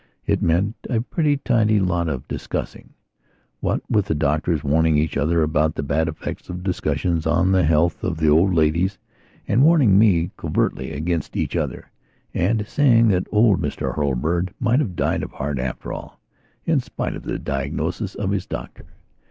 It meant a pretty tidy lot of discussing, what with the doctors warning each other about the bad effects of discussions on the health of the old ladies, and warning me covertly against each other, and saying that old Mr Hurlbird might have died of heart, after all, in spite of the diagnosis of his doctor.